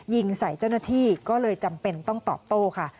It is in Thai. ยิงใส่เจ้าหน้าที่ก็เลยจำเป็นต้องตอบโต้ค่ะ